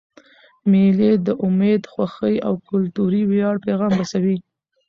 مېلې د امید، خوښۍ، او کلتوري ویاړ پیغام رسوي.